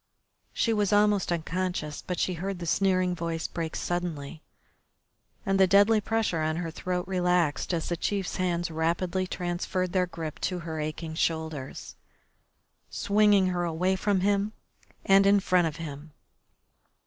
She was almost unconscious, but she heard the sneering voice break suddenly and the deadly pressure on her throat relaxed as the chief's hands rapidly transferred their grip to her aching shoulders, swinging her away from him and in front of him.